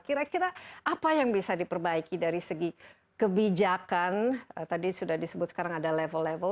kira kira apa yang bisa diperbaiki dari segi kebijakan tadi sudah disebut sekarang ada level level